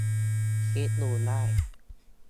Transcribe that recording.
คลิกดูได้